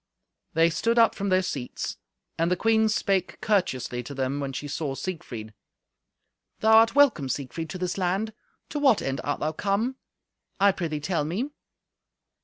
They stood up from their seats; and the queen spake courteously to them when she saw Siegfried. "Thou art welcome, Siegfried, to this land. To what end art thou come? I prithee tell me."